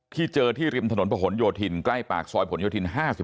ที่เจอที่ริมถนนผนโยธินใกล้ปากซอยผนโยธิน๕๖นะครับ